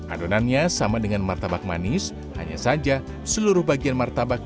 adonannya sama dengan martabak manis hanya saja seluruh bagian martabak